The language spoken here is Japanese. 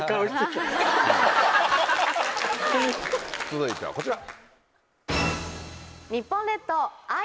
続いてはこちら。